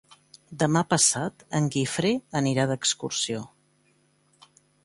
Demà passat en Guifré anirà d'excursió.